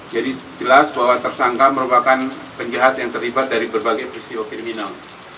jadi jelas bahwa tersangka merupakan penjahat yang terlibat dari berbagai pristio kriminal